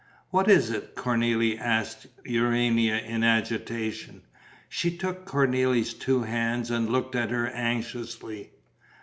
"What is it, Cornélie?" asked Urania, in agitation. She took Cornélie's two hands and looked at her anxiously.